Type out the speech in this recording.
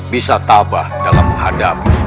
bisa tabah dalam menghadapi